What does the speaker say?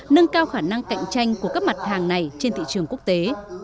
nâng cao khả năng cạnh tranh của các mặt hàng này trên thị trường quốc tế